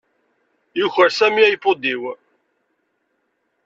Yuker Sami iPod-iw.